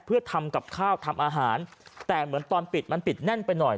เพื่อทำกับข้าวทำอาหารแต่เหมือนตอนปิดมันปิดแน่นไปหน่อย